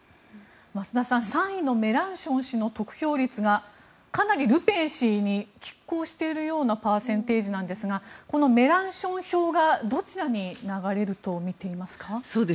増田さん３位のメランション氏の得票率がかなりルペン氏にきっ抗しているようなパーセンテージなんですがこのメランション票がどちらに流れるとみていますか？